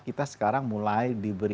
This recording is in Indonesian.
kita sekarang mulai diberi